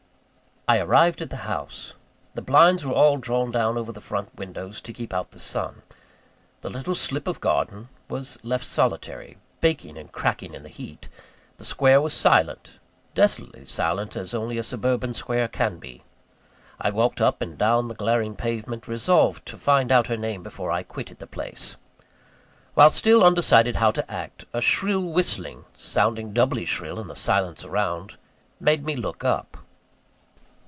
I arrived at the house. The blinds were all drawn down over the front windows, to keep out the sun. The little slip of garden was left solitary baking and cracking in the heat. The square was silent; desolately silent, as only a suburban square can be. I walked up and down the glaring pavement, resolved to find out her name before I quitted the place. While still undecided how to act, a shrill whistling sounding doubly shrill in the silence around made me look up.